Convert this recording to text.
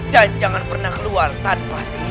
dan jangan pernah keluar tanpa seizinku